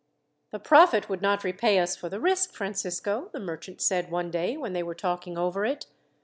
"The profit would not repay us for the risk, Francisco," the merchant said one day when they were talking over it.